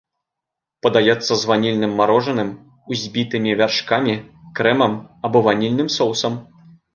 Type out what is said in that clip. Падаецца з ванільным марожаным, узбітымі вяршкамі, крэмам або ванільным соусам.